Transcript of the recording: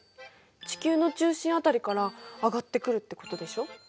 地球の中心辺りから上がってくるってことでしょ？